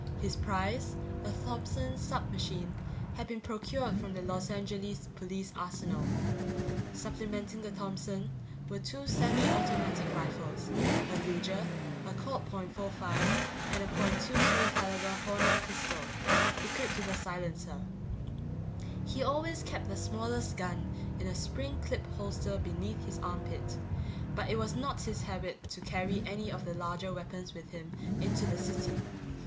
His prize, a Thompson submachine, had been procured from the Los Angeles police arsenal. Supplementing the Thompson were two semi automatic rifles, a Luger, a Colt .45 and a .22 caliber Hornet pistol, equipped with a silencer. He always kept the smallest gun in a spring clip holster beneath his armpit, but it was not his habit to carry any of the larger weapons with him into the city.